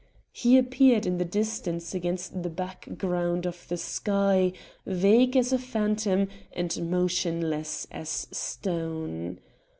He appeared in the distance against the background of the sky, vague as a phantom and motionless as stone.